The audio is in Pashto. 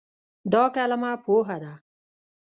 دا کلمه "پوهه" ده.